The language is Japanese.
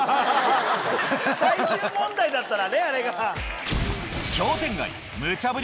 最終問題だったらねあれが。